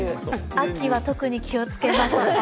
秋は特に気をつけます。